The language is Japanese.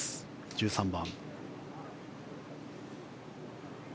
１３番。